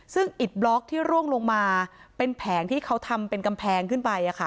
ซึ่งอิดบล็อกที่ร่วงลงมาเป็นแผงที่เขาทำเป็นกำแพงขึ้นไป